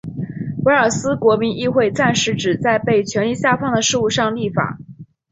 威尔斯国民议会暂时只在被权力下放的事务上立法。